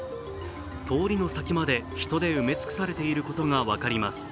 通りの先まで人で埋め尽くされていることが分かります。